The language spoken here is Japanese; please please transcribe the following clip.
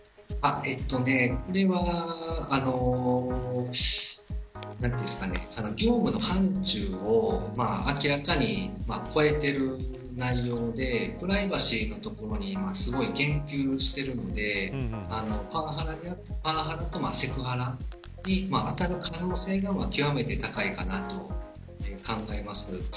これは業務の範ちゅうを明らかに超えている内容でプライバシーのところにすごい言及をしているのでパワハラとセクハラに当たる可能性が極めて高いかなと考えます。